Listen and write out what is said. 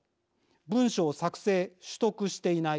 文書を作成取得していない。